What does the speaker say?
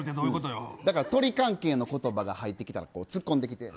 鳥関係の言葉が入ってきたらツッコんできて。